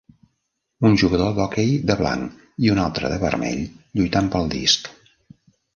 Un jugador d'hoquei de blanc i un altre de vermell lluitant pel disc